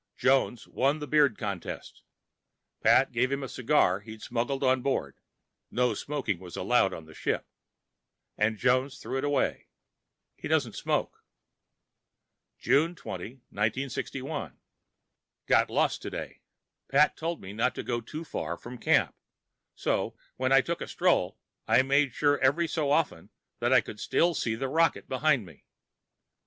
Jones won the beard contest. Pat gave him a cigar he'd smuggled on board (no smoking was allowed on the ship), and Jones threw it away. He doesn't smoke. June 20, 1961 Got lost today. Pat told me not to go too far from camp, so, when I took a stroll, I made sure every so often that I could still see the rocket behind me.